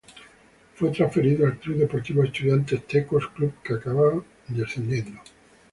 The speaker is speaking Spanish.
Fue transferido al Club Deportivo Estudiantes Tecos club que acaba descendiendo.